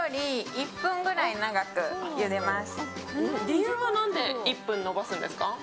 理由は何で１分延ばすんですか？